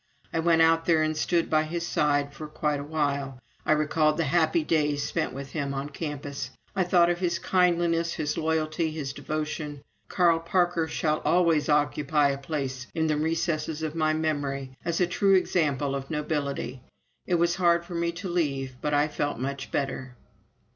I went out there and stood by his side for quite a while. I recalled the happy days spent with him on the campus. I thought of his kindliness, his loyalty, his devotion. Carl Parker shall always occupy a place in the recesses of my memory as a true example of nobility. It was hard for me to leave, but I felt much better."